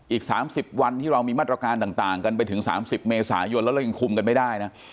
อีก๓๐วันที่เรามีมาตรการต่างกันไปถึง๓๐เมษายนแล้วเรายังคุมกันไม่ได้นะ